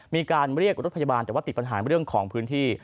มีการเรียกรถพยาบาลแต่ว่าติดปัญหาเรื่องของพื้นที่